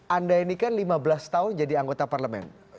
anda ini kan lima belas tahun jadi anggota parlemen